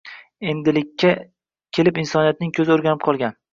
Endilikka kelib insoniyatning “ko‘zi o‘rganib qolgan”